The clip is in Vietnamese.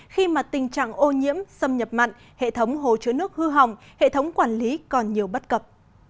khi mà tình trạng ô nhiễm xâm nhập mặn hệ thống hồ chứa nước hư hỏng hệ thống quản lý còn nhiều bất cập